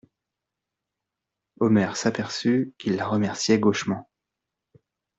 Omer s'aperçut qu'il la remerciait gauchement.